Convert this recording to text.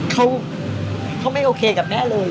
เขาไม่โอเคกับแม่เลย